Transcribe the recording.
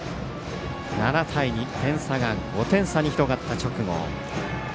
７対２、点差が５点差に広がった直後。